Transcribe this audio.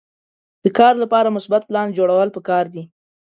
د کار لپاره مثبت پلان جوړول پکار دي.